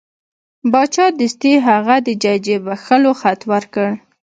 باچا دستي هغه د ججې بخښلو خط ورکړ.